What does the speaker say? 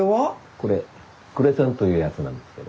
これクレソンというやつなんですけど。